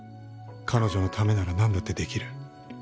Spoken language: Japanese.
彼女のためならなんだってできる。